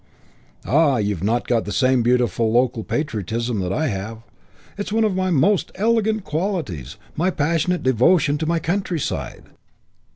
"Ah, you've not got the same beautiful local patriotism that I have. It's one of my most elegant qualities, my passionate devotion to my countryside.